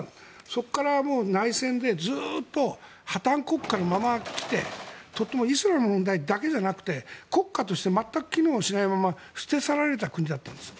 そこから内戦でずっと破たん国家のまま来てとてもイスラムの問題だけじゃなくて国家として全く機能しないまま捨て去られた国だったんです。